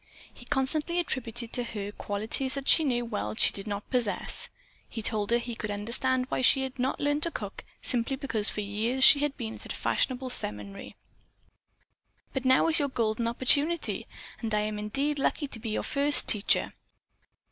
He constantly attributed to her qualities that she well knew that she did not possess. He told her that he could understand why she had not learned to cook simply because for years she had been away at a fashionable seminary. "But now is your golden opportunity, and I am indeed lucky to be your first teacher."